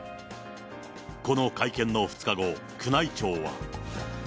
この会見の２日後、宮内庁は。